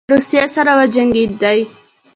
له روسیې سره وجنګېدی.